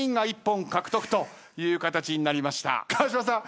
川島さん